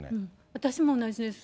私も同じです。